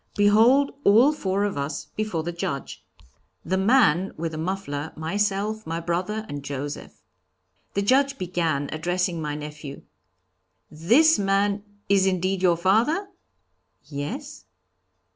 Behold all four of us before the Judge! The man with the muffler, myself, my brother and Joseph. The Judge began, addressing my nephew: 'This man is indeed your father?' 'Yes.'